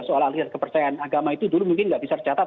soal aliran kepercayaan agama itu dulu mungkin nggak bisa tercatat